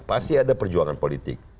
pasti ada perjuangan politik